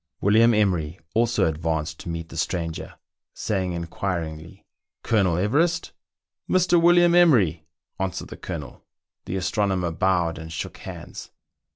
William Emery also advanced to meet the stranger, saying in quiringly, "Colonel Everest?" "Mr. William Emery.?" answered the Colonel. The astronomer bowed and shook hands.